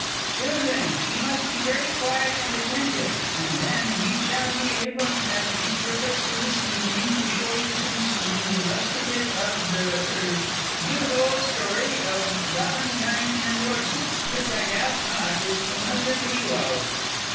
_) Children, you must be very quiet and attentive, and then we shall be able, as we purpose this evening, to show you some scenes illustrative of the er beautiful old story of Valentine and Orson, which I doubt not is familiar to you all.